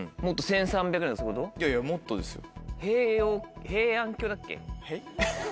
いやいやもっとですよ。